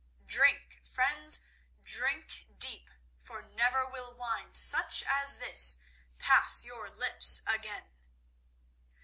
Drink, friends, drink deep, for never will wine such as this pass your lips again."